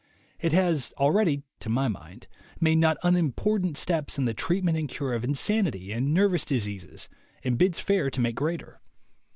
It has already, to my mind, made not unimportant steps in the treatment and cure of insanity and nervous diseases, and bids fair to make greater.